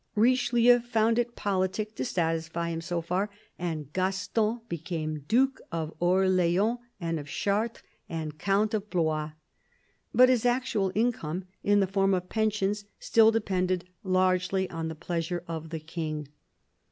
Riche lieu found it politic to satisfy him so far, and Gaston became Duke of Orleans and of Chartres and Count of Blois ; but his actual income, in the form of pensions, still depended largely on the pleasure of the King.